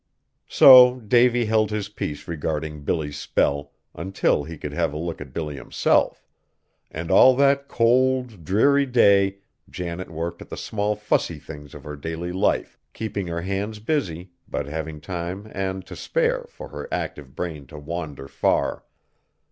So Davy held his peace regarding Billy's spell, until he could have a look at Billy himself; and all that cold, dreary day Janet worked at the small fussy things of her daily life, keeping her hands busy but having time and to spare for her active brain to wander far.